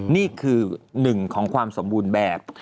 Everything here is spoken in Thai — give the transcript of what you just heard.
นี่คือหนึ่งของความสมบูรณ์แบบ